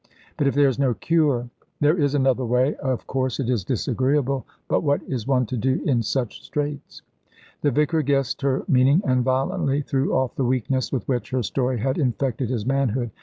"But if there is no cure " "There is another way. Of course, it is disagreeable, but what is one to do in such straits?" The vicar guessed her meaning, and violently threw off the weakness with which her story had infected his manhood.